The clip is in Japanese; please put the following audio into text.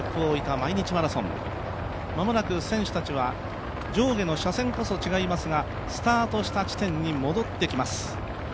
毎日マラソン、まもなく選手たちは上下の車線こそ違いますが、スタートした地点に戻ってきます。